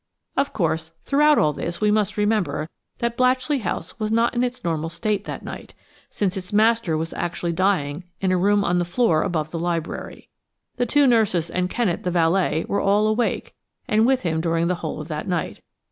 Of course, throughout all this we must remember that Blatchley House was not in its normal state that night, since its master was actually dying in a room on the floor above the library. The two nurses and Kennet, the valet, were all awake, and with him during the whole of that night.